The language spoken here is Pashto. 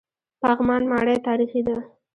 پغمان ماڼۍ تاریخي ده؟